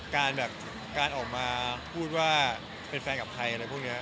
การแบบการออกมาพูดว่าเป็นแฟนกับใครอะไรพวกนี้